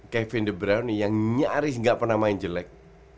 kevin de bruyne yang nyaris gak pernah main jelek